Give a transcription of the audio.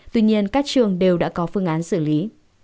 tuy nhiên các trường đều đã có phương án xử lý